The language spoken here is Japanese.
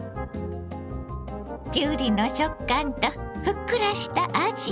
きゅうりの食感とふっくらしたあじ。